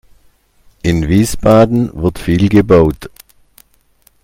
In Wiesbaden wird viel gebaut.